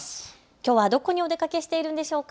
きょうはどこにお出かけしているのでしょうか。